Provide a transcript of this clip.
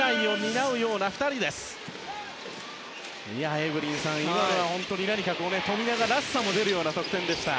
エブリンさん、今のは本当に富永らしさが出るような得点でした。